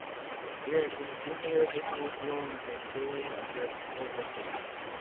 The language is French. Il existe plusieurs définitions du seuil de pauvreté.